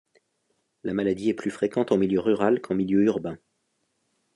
La maladie est plus fréquente en milieu rural qu'en milieu urbain.